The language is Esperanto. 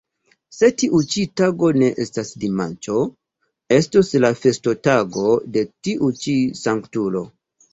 Se tiu ĉi tago ne estas dimanĉo, estos la festotago de tiu ĉi Sanktulo.